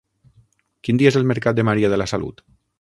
Quin dia és el mercat de Maria de la Salut?